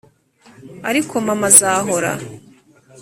ariko mama azahora.